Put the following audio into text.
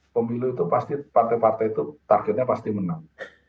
pemilu itu pasti partai partai itu targetnya pasti menang